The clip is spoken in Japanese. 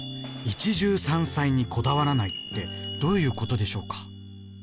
「一汁三菜にこだわらない」ってどういうことでしょうか？